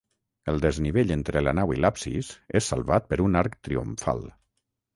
El desnivell entre la nau i l'absis és salvat per un arc triomfal.